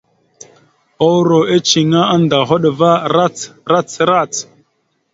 Uuro eceŋé annda a hoɗ va rac rac rac.